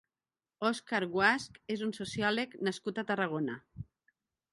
Òscar Guasch és un sociòleg nascut a Tarragona.